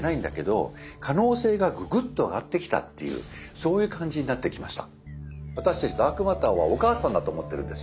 そういう感じになってきました。